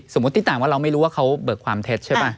สมมติตามว่าเราไม่รู้ว่าเขาเบิกความเท็จ